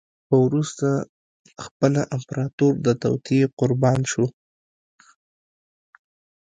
خو وروسته خپله امپراتور د توطیې قربان شو.